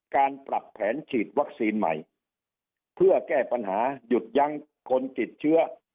การปรับแผนฉีดวัคซีนใหม่เพื่อแก้ปัญหาหยุดยั้งคนติดเชื้อ